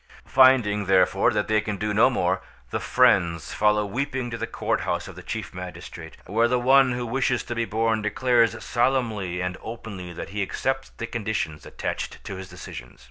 Finding, therefore, that they can do no more, the friends follow weeping to the courthouse of the chief magistrate, where the one who wishes to be born declares solemnly and openly that he accepts the conditions attached to his decision.